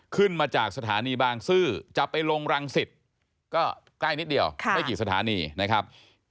ขึ้นมาจากสถานีบางซื่อจะไปลงรังสิตก็ใกล้นิดเดียวไม่กี่สถานีนะครับ